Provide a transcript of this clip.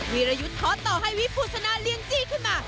วีรยุธขอต่อให้วิภุษณาเรียนจี้ขึ้นมา